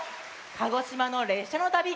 鹿児島のれっしゃのたび。